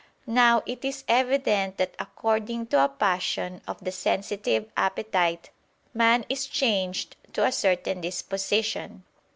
Now it is evident that according to a passion of the sensitive appetite man is changed to a certain disposition.